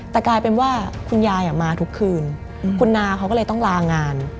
แต่กลายเป็นว่าคุณยายมาทุกคืนคุณนาเขาก็เลยต้องลางาน